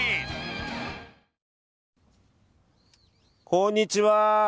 こんにちは。